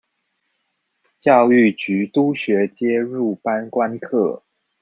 教育局督學皆入班觀課